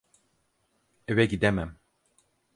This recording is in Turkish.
Eve gidemem.